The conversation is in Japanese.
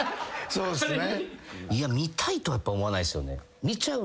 そうですね。